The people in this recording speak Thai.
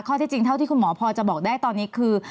ที่จริงเท่าที่คุณหมอพอจะบอกได้ตอนนี้คือ